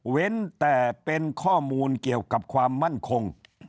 แต่เป็นข้อมูลเกี่ยวกับความมั่นคง